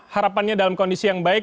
harapannya dalam kondisi yang baik